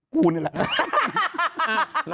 คู่นี่แหละ